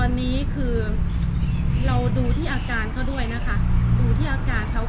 อันนี้ต้องแล้วแต่ทางครอบครัวทางแจ๋วแล้วทางยุ้ยด้วย